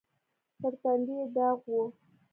پر تندي يې داغ و.